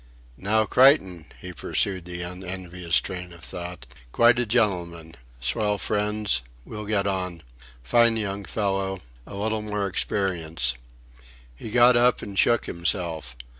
"Now, Creighton," he pursued the unenvious train of thought, "quite a gentleman... swell friends... will get on. Fine young fellow... a little more experience." He got up and shook himself.